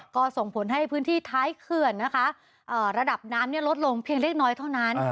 ก็ส่งผลให้พื้นที่ท้ายเขื่อนนะคะระดับน้ำลดลงเพียงเล็กน้อยเท่านั้น